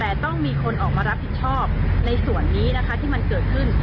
แต่ต้องมีคนออกมารับผิดชอบในส่วนนี้นะคะที่มันเกิดขึ้น